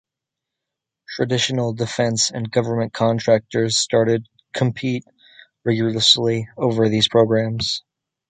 Traditional defense and government contractors started compete vigorously for these programs.